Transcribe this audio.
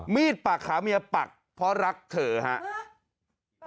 ดปากขาเมียปักเพราะรักเธอครับ